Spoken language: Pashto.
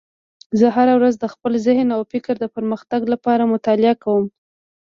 زه هره ورځ د خپل ذهن او فکر د پرمختګ لپاره مطالعه کوم